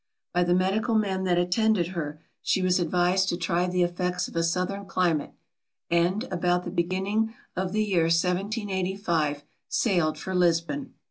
By the medical men that attended her, she was advised to try the effects of a southern climate; and, about the beginning of the year 1785, sailed for Lisbon.